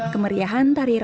kemeriahan tari rato jaro